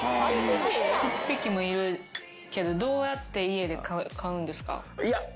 ８匹もいるけどどうやって家で飼うんですか？